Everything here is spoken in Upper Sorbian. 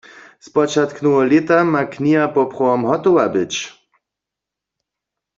Spočatk noweho lěta ma kniha poprawom hotowa być.